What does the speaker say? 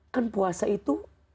kan puasa itu